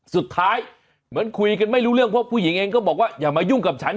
สุดท้ายเหมือนคุยกันไม่รู้เรื่องเพราะผู้หญิงเองก็บอกว่าอย่ามายุ่งกับฉัน